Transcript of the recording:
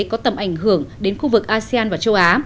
có tầm ảnh hưởng đến khu vực asean và châu á